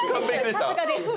さすがです。